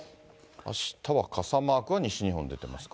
あしたは傘マークは西日本、出てますか。